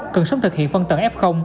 cần sống thực hiện phân tầng f